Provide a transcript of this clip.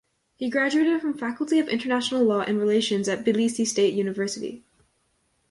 He graduated from Faculty of International Law and Relations at Tbilisi State University.